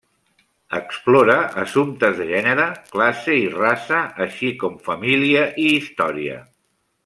Explora assumptes de gènere, classe i raça així com família i història.